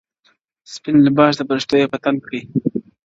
• سپین لباس د فریشتو یې په تن کړی,